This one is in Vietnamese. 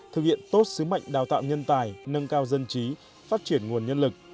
thực hiện tốt sứ mệnh đào tạo nhân tài nâng cao dân trí phát triển nguồn nhân lực